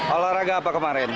olahraga apa kemarin